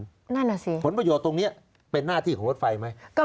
นั่นน่ะสิผลประโยชน์ตรงนี้เป็นหน้าที่ของรถไฟไหม